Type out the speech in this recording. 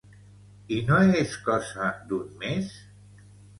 I no és cosa d’un mes?